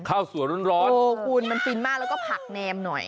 ข้าวสวยร้อนโหว้มันปีนมากเราก็ผักแนมหน่อย